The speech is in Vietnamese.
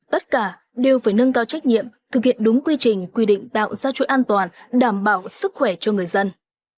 tất cả đều phải nâng cao trách nhiệm thực hiện đúng quy trình quy định tạo ra chuỗi an toàn đảm bảo sức khỏe cho người dân